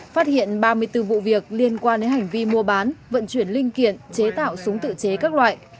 phát hiện ba mươi bốn vụ việc liên quan đến hành vi mua bán vận chuyển linh kiện chế tạo súng tự chế các loại